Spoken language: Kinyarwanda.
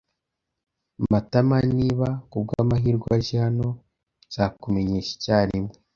[Matama] Niba ku bw'amahirwe aje hano, nzakumenyesha icyarimwe.